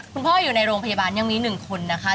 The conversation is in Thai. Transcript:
คุณพ่ออยู่ในโรงพยาบาลยังมี๑คนนะคะ